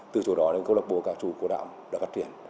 từ chỗ đó đến cơ lộc bộ ca chủ của đảng đã phát triển